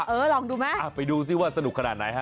เออลองดูไหมไปดูซิว่าสนุกขนาดไหนฮะ